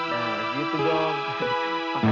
nah gitu dong